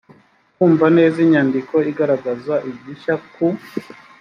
kumva neza inyandiko igaragaza igishya ku